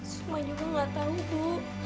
sukma juga tidak tahu bu